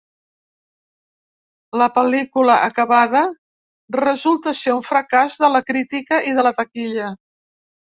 La pel·lícula acabada resultar ser un fracàs de la crítica i de la taquilla.